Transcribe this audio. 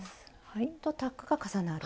タックが重なる？